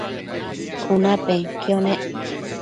cunapenquio nec